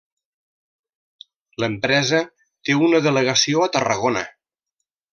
L'empresa té una delegació a Tarragona.